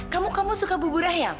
kamu kamu suka bubur ayam